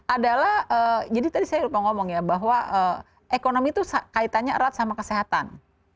adalah jadi tadi saya lupa ngomong ya bahwa ekonomi itu kaitannya erat sama kesehatan